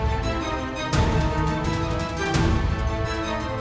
kau yang menghalangimu